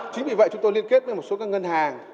chính vì vậy chúng tôi liên kết với một số các ngân hàng